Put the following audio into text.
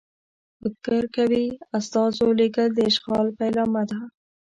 فکر کوي استازو لېږل د اشغال پیلامه ده.